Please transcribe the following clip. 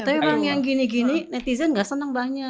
tapi emang yang gini gini netizen gak senang banyak